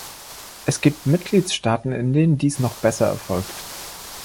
Es gibt Mitgliedstaaten, in denen dies noch besser erfolgt.